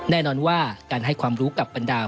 แน่นอนว่าการให้ความรู้กับบรรดา